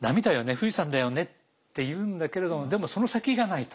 富士山だよね」って言うんだけれどもでもその先がないと。